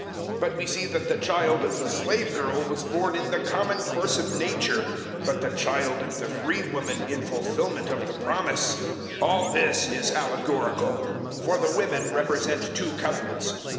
004:023 But we see that the child of the slave girl was born in the common course of nature; but the child of the free woman in fulfilment of the promise. 004:024 All this is allegorical; for the women represent two Covenants.